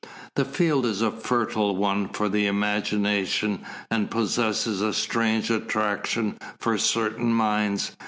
The field is a fertile one for the imagination and possesses a strange attraction for certain minds.